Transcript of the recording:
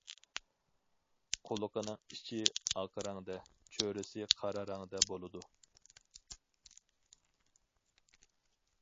قۇلىقىنىڭ ئىچى ئاق رەڭدە، چۆرىسى قارا رەڭدە بولىدۇ.